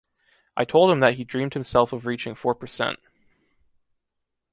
I told him that he dreamed himself of reaching four percent.